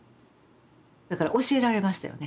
だから教えられましたよね